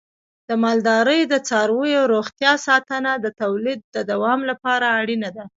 د مالدارۍ د څارویو روغتیا ساتنه د تولید د دوام لپاره اړینه ده.